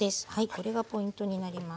これがポイントになります。